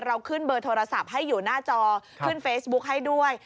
เราขึ้นเบอร์โทรศัพท์ให้อยู่หน้าจอขึ้นเฟซบุ๊คให้ด้วย